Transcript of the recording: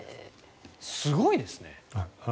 すごいですね。